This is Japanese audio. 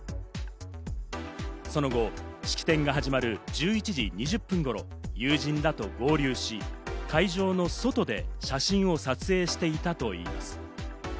その後、式典が始まる１１時２０分頃、友人らと合流し、会場の外で写真を撮影していたといいます。